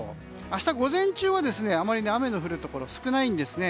明日、午前中はあまり雨の降るところ少ないんですね。